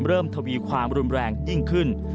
ทวีความรุนแรงยิ่งขึ้น